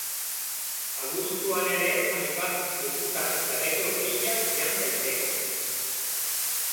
Abuztuan ere hainbat lekutan errege opila jan daiteke!